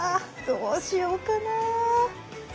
どうしようかな？